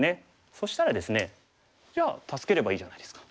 そしたらですねじゃあ助ければいいじゃないですか。